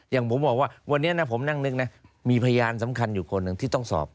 อย่างผมบอกว่าวันนี้นะผมนั่งนึกนะมีพยานสำคัญอยู่คนหนึ่งที่ต้องสอบ